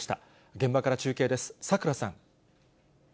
現場から中継です。